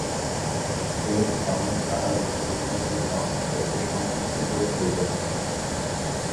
শ্বেত বামন তারার ভর বেশি হলে মহাকর্ষ একে সংকুচিত করে ফেলতে চায়।